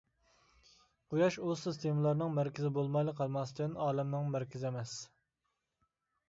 قۇياش ئۇ سىستېمىلارنىڭ مەركىزى بولمايلا قالماستىن، ئالەمنىڭمۇ مەركىزى ئەمەس.